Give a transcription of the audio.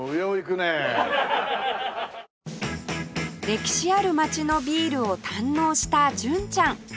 歴史ある街のビールを堪能した純ちゃん